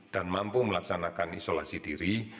dan mampu melaksanakan isolasi diri